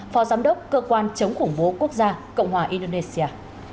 phó giám đốc cơ quan chống khủng bố quốc gia cộng hòa indonesia